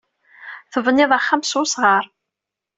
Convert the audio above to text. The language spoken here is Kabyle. Tebnid axxam s wesɣar.